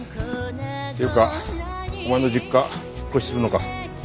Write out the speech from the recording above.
っていうかお前の実家引っ越しするのか。